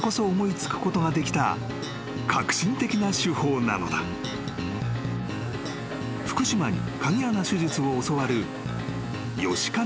［福島に鍵穴手術を教わる吉金医師は］